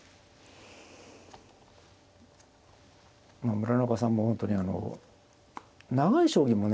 まあ村中さんも本当に長い将棋もね